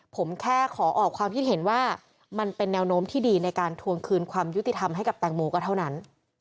ผมแค่ขอออกความคิดเห็นว่ามันเป็นแนวโน้มที่ดีในการทวงคืนความยุติธรรมให้กับแตงโมก็เท่านั้น